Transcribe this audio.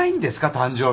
誕生日。